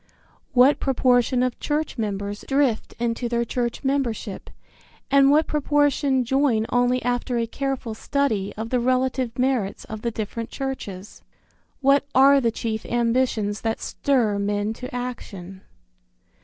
What proportion of church members drift into their church membership, and what proportion join only after a careful study of the relative merits of the different churches? What are the chief ambitions that stir men to action?